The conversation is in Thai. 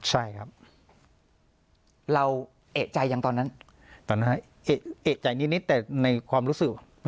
ใช่ครับเราเอกใจยังตอนนั้นตอนนั้นเอกใจนิดนิดแต่ในความรู้สึก